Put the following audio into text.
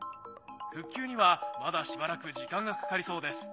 復旧にはまだしばらく時間がかかりそうです。